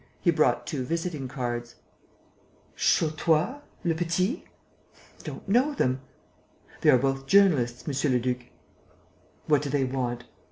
He brought two visiting cards. "Chotois? Lepetit? Don't know them." "They are both journalists, monsieur le duc." "What do they want?"